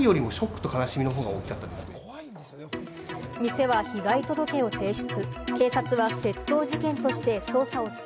店は被害届を提出。